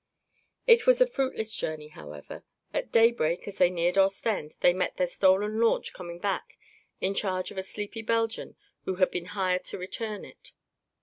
It was a fruitless journey, however. At daybreak, as they neared Ostend, they met their stolen launch coming back, in charge of a sleepy Belgian who had been hired to return it.